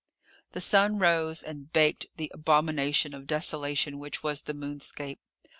The sun rose, and baked the abomination of desolation which was the moonscape.